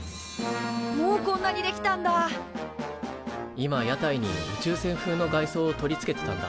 今屋台に宇宙船風の外装を取り付けてたんだ。